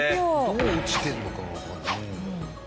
どう落ちてるのかがわかんない。